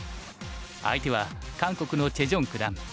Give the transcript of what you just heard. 相手は韓国のチェ・ジョン九段。